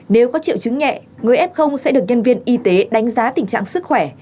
nếu có triệu chứng nhẹ người f sẽ được nhân viên y tế đánh giá tình trạng sức khỏe